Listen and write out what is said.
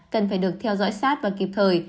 cần phải được theo dõi sát và kịp thời